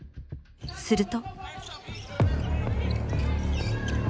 すると。